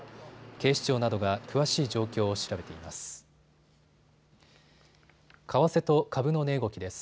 警視庁などが詳しい状況を調べています。